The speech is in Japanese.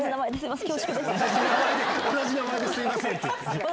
同じ名前ですみませんって！